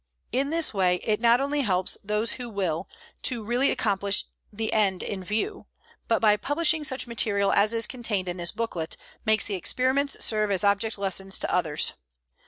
In this way it not only helps those who will to really accomplish the end in view, but by publishing such material as is contained in this booklet makes the experiments serve as object lessons to others.